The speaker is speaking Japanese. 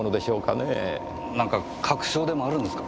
何か確証でもあるんですか？